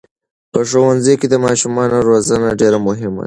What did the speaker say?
په ښوونځي کې د ماشومانو روزنه ډېره مهمه ده.